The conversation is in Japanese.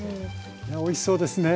おいしそうですね。